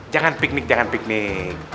jangan piknik jangan piknik